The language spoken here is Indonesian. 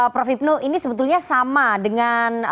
prof hipno ini sebetulnya sama dengan